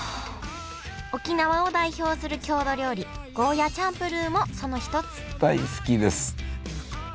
沖縄を代表する郷土料理ゴーヤーチャンプルーもその一つ大好きです。